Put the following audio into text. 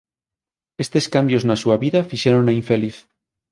Estes cambios na súa vida fixérona infeliz.